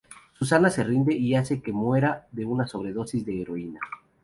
Susanna se rinde y hace que muera de una sobredosis de heroína.